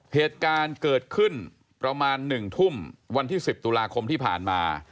เหตุการณ์เกิดขึ้นประมาณ๑ทุ่มวันที่๑๐ตุลาคมที่ผ่านมา